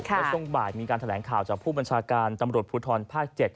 เพราะช่วงบ่ายมีการแถลงข่าวจากผู้บัญชาการตำรวจภูทรภาค๗